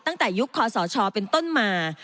ตั้งแต่ยุคคอสชเป็นต้นมา